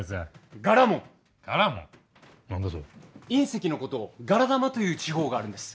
隕石のことをガラダマという地方があるんです。